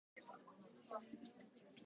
こんごしゃかい